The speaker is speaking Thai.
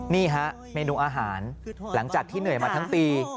นี่ฮะเมนูอาหารหลังจากที่เหนื่อยมาทั้งปี